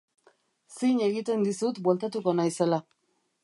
Zin egiten dizut bueltatuko naizela.